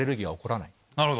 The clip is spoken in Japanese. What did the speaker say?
なるほど。